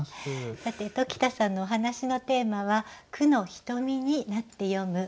さて鴇田さんのお話のテーマは「『句のひとみ』になって読む」。